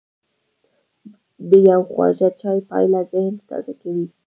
د یو خواږه چای پیاله ذهن تازه کوي.